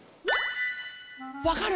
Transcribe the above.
わかる！？